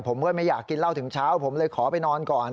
ผมก็ไม่อยากกินเหล้าถึงเช้าผมเลยขอไปนอนก่อน